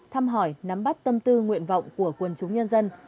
thăm hỏi nắm bắt tâm tư nguyện vọng của quân chúng nhân dân